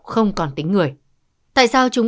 không còn tính người tại sao chúng